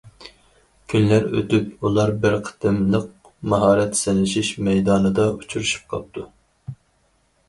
كۈنلەر ئۆتۈپ، ئۇلار بىر قېتىملىق ماھارەت سىنىشىش مەيدانىدا ئۇچرىشىپ قاپتۇ.